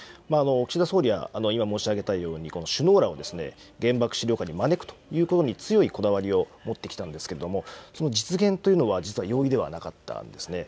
岸田総理は今申し上げたように、首脳らを原爆資料館に招くということに強いこだわりを持ってきたんですけれども、その実現というのは実は容易ではなかったんですね。